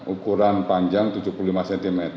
ukuran panjang tujuh puluh lima cm